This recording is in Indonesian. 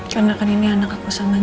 karena kan ini anak aku sama nino